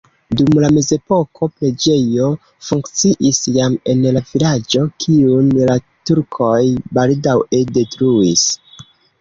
Dum la mezepoko preĝejo funkciis jam en la vilaĝo, kiun la turkoj baldaŭe detruis.